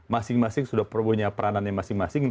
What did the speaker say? masing masing sudah punya peranannya masing masing